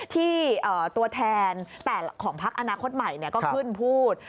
ที่ตัวแทนแต่ของพักอนาคตใหม่ก็ขึ้นพูด